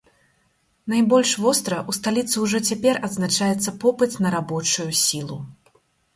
Найбольш востра ў сталіцы ўжо цяпер адзначаецца попыт на рабочую сілу.